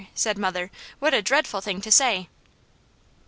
said mother. "What a dreadful thing to say!"